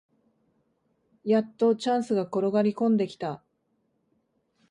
やっとチャンスが転がりこんできた